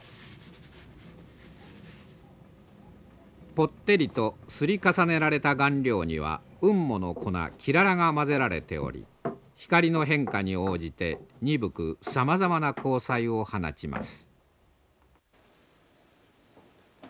ぽってりと刷り重ねられた顔料には雲母の粉きららが混ぜられており光の変化に応じて鈍くさまざまな光彩を放ちます。